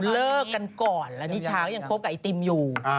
เขาเลิกกันก่อนแล้วนิชาก็ยังคบกับไอติมอยู่